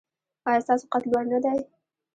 ایا ستاسو قد لوړ نه دی؟